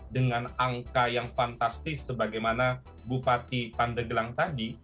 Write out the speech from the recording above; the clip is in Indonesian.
dengan angka yang fantastis sebagaimana bupati pandegelang tadi